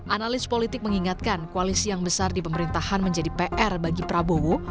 analis politik mengingatkan koalisi yang besar di pemerintahan menjadi pr bagi prabowo